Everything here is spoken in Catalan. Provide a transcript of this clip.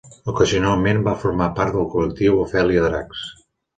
Ocasionalment va formar part del col·lectiu Ofèlia Dracs.